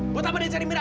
buat apa dia cari mira